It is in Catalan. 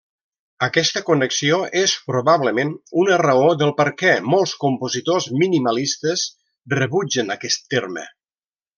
Aquesta connexió és probablement una raó del perquè molts compositors minimalistes rebutgen aquest terme.